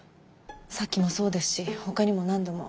さっきもそうですし他にも何度も。